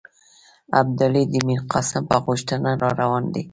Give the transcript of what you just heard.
ابدالي د میرقاسم په غوښتنه را روان دی.